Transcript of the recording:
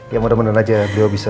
ya mudah mudahan aja beliau bisa